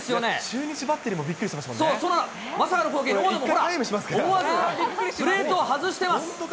中日バッテリーもびっくりしそう、そのまさかの光景に大野も思わず、プレートを外してます。